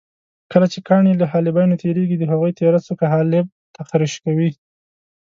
کله چې کاڼي له حالبینو تېرېږي د هغوی تېره څوکه حالب تخریش کوي.